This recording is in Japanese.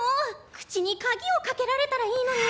口にカギをかけられたらいいのに。